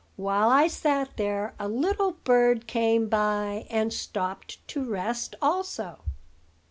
While I sat there, a little bird came by, and stopped to rest also.